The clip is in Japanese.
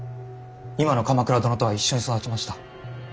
今の鎌倉殿とは一緒に育ちました。